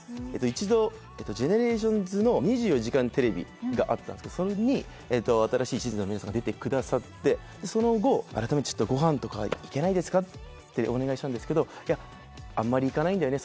一度ＧＥＮＥＲＡＴＩＯＮＳの「２４時間テレビ」があったんですけどそれに新しい地図の皆さんが出てくださってその後ってお願いしたんですけど「あんまり行かないんだよね